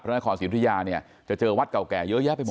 นครศรีอุทยาเนี่ยจะเจอวัดเก่าแก่เยอะแยะไปหมด